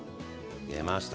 出ました。